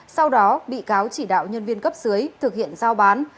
sau đó bị cáo chỉ đạo nhân viên cấp dưới thực hiện giao bán